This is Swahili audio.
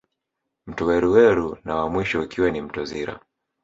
Mto Weruweru na wa mwisho ukiwa ni mto Zira